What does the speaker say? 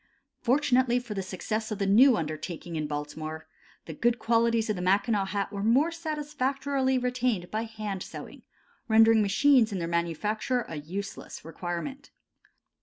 Fortunately for the success of the new undertaking in Baltimore, the good qualities of the Mackinaw hat were more satisfactorily retained by hand sewing, rendering machines in their manufacture a useless requirement.